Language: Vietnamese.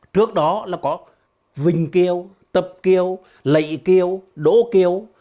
trước đó là có vinh kiều tập kiều lệ kiều đổ kiều